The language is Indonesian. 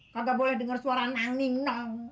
kagak boleh denger suara nang ning nang